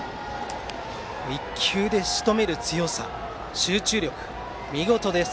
１球でしとめる強さ集中力が見事です。